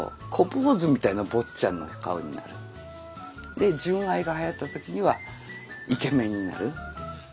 で純愛がはやった時にはイケメンになる。